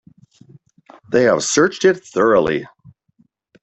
They have searched it thoroughly.